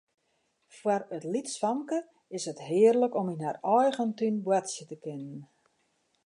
Foar it lytsfamke is it hearlik om yn har eigen tún boartsje te kinnen.